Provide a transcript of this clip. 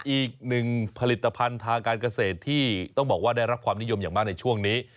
อีกหนึ่งผลิตภัณฑ์ทางการเกษตรที่ต้องบอกว่าได้รับความนิยมอย่างมากในช่วงนี้